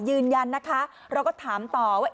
ยืนยันนะคะเราก็ถามต่อว่า